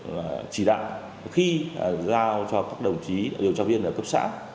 lãnh đạo khi giao cho các đồng chí điều tra viên cấp xã